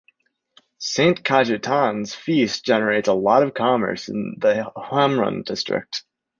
Saint Cajetan's feast generates a lot of commerce in the Hamrun district.